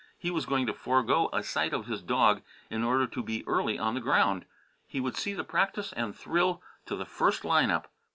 He was going to forego a sight of his dog in order to be early on the ground. He would see the practice and thrill to the first line up.